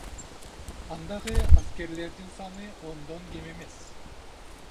Андагы аскерлердин саны ондон кем эмес.